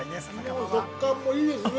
◆食感もいいですね。